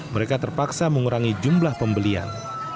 mereka terpaksa mengurangi jumlah pembelian